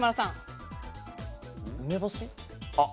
梅干し。